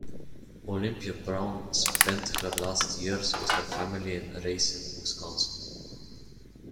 Olympia Brown spent her last years with her family in Racine, Wisconsin.